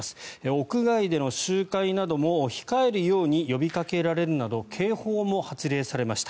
屋外での集会なども控えるように呼びかけられるなど警報も発令されました。